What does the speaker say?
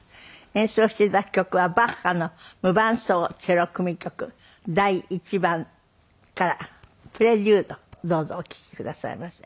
演奏して頂く曲はバッハの『無伴奏チェロ組曲第１番』から『プレリュード』どうぞお聴きくださいませ。